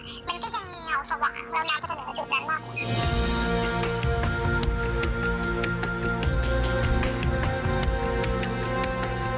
คนที่พร้อมจะช่วยคุณพร้อมที่จะทำดีต่อกัน